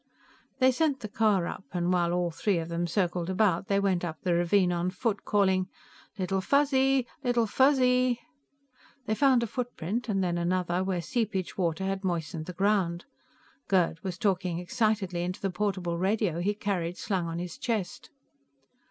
They sent the car up, and while all three of them circled about, they went up the ravine on foot, calling: "Little Fuzzy! Little Fuzzy!" They found a footprint, and then another, where seepage water had moistened the ground. Gerd was talking excitedly into the portable radio he carried slung on his chest.